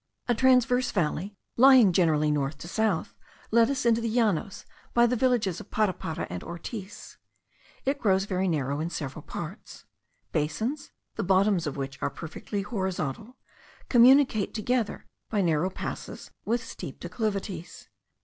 A transverse valley, lying generally north and south, led us into the Llanos, by the villages of Parapara and Ortiz. It grows very narrow in several parts. Basins, the bottoms of which are perfectly horizontal, communicate together by narrow passes with steep declivities.